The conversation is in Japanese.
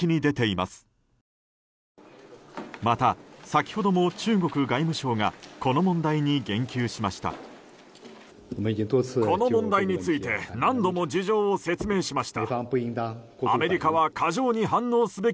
また、先ほども中国外務省がこの問題に言及しました。